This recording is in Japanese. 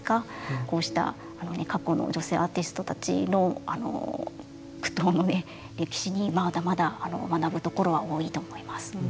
こうした過去の女性アーティストたちの苦闘の歴史にまだまだ学ぶところは多いと思います。